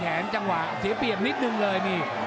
จังหวะเสียเปรียบนิดนึงเลยนี่